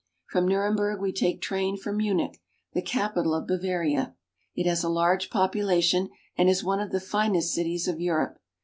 From Nuremberg we take train for Munich, the capital FROM ULM TO VIENNA. 275 of Bavaria. It has a large population and is one of the finest cities of Europe.